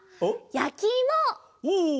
やきいも。